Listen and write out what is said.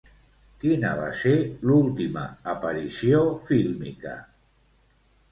Quina va ser l'última aparició fílmica?